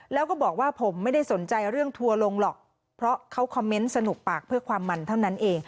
แล้วก็บอกว่าผมไม่ได้สนใจเรื่องทัวร์ลงหรอกเพราะเขาคอมเมนต์สนุกปากเพื่อความมันเท่านั้นเอง